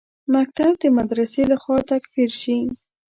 مکتب د مدرسې لخوا تکفیر شي.